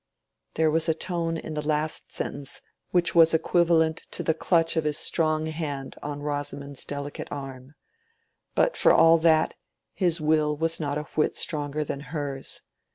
_" There was a tone in the last sentence which was equivalent to the clutch of his strong hand on Rosamond's delicate arm. But for all that, his will was not a whit stronger than hers.